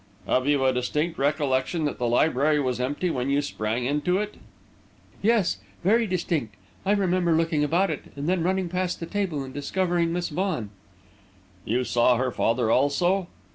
"Have you a distinct recollection that the library was empty when you sprang into it?" "Yes; very distinct. I remember looking about it, and then running past the table and discovering Miss Vaughan." "You saw her father also?"